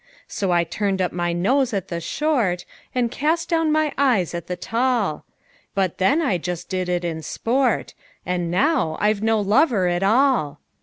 So I turned up my nose at the short, And cast down my eyes at the tall; But then I just did it in sport And now I've no lover at all!